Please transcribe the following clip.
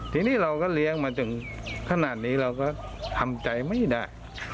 ทีนี้เราก็เลี้ยงมาจนขนาดนี้เราก็ทำใจไม่ได้